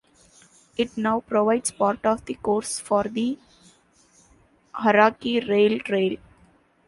It now provides part of the course for the Hauraki Rail Trail.